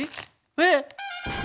えっ⁉